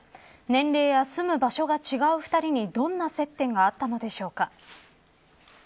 年齢や住む場所が違う２人にどんな接点があったのでしょうか。